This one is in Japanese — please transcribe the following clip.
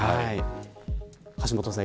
橋下さん